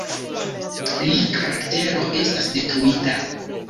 Lia karaktero estas detruita.